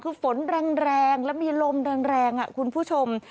คือฝนแรงแล้วมีลมแรงคุณผู้ชม